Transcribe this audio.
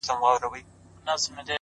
گراني زر واره درتا ځار سمه زه ـ